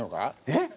えっ！？